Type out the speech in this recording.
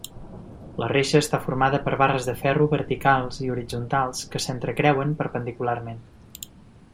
La reixa està formada per barres de ferro verticals i horitzontals que s'entrecreuen perpendicularment.